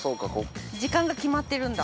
時間が決まってるんだ。